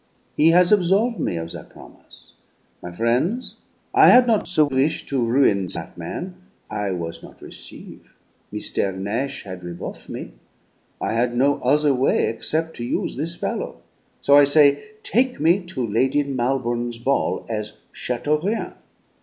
He has absolve' me of that promise. My frien's, I had not the wish to ruin that man. I was not receive'; Meestaire Nash had reboff me; I had no other way excep' to use this fellow. So I say, 'Take me to Lady Malbourne's ball as "Chateaurien."'